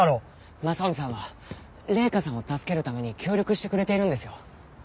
雅臣さんは麗華さんを助けるために協力してくれているんですよ。